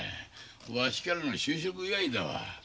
わしからの就職祝だわ。